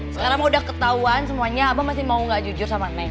sekarang udah ketauan semuanya abah masih mau gak jujur sama neng